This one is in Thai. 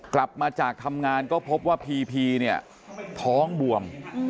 กลับมาจากทำงานก็พบว่าพีพีเนี่ยท้องบวม